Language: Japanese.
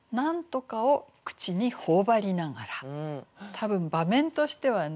多分場面としてはね